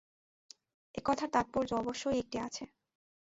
এ-কথার তাৎপর্য অবশ্যই একটি আছে।